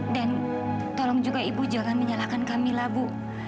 dan tolong juga ibu jangan menyalahkan kamila bu